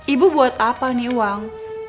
ibu buat apa nih uang